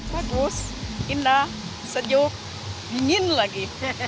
bagus indah sejuk dingin lagi